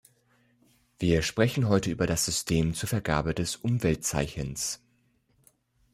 Wir sprechen heute über das System zur Vergabe des Umweltzeichens.